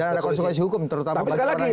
tapi sekali lagi